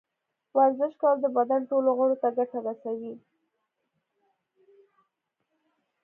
ورزش کول د بدن ټولو غړو ته ګټه رسوي.